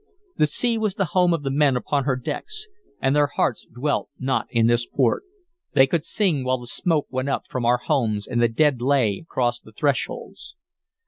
The sea was the home of the men upon her decks, and their hearts dwelt not in this port; they could sing while the smoke went up from our homes and the dead lay across the thresholds.